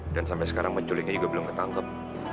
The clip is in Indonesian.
dan sampe sekarang menculiknya juga belum ketangkep